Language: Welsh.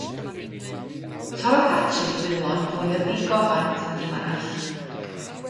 Torrodd Catrin i wylo, yn fwy o ddigofaint na dim arall.